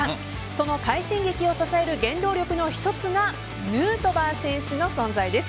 その快進撃を支える原動力の一つがヌートバー選手の存在です。